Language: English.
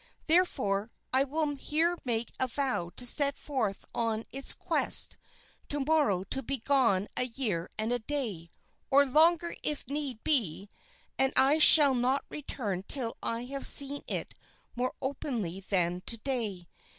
Therefore, I will here make a vow to set forth on its quest to morrow to be gone a year and a day, or longer if need be, and I shall not return till I have seen it more openly than to day.